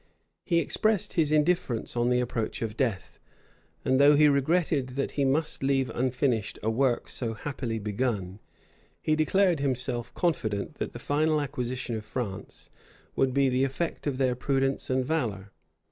He expressed his indifference on the approach of death; and though he regretted that he must leave unfinished a work so happily begun, he declared himself confident that the final acquisition of France would be the effect of their prudence and valor.